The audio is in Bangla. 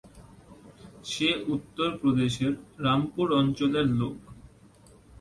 সে উত্তরপ্রদেশের রামপুর অঞ্চলের লোক।